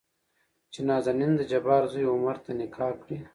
چې نازنين دجبار زوى عمر ته نکاح کړي.